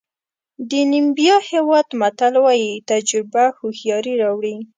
د نیمبیا هېواد متل وایي تجربه هوښیاري راوړي.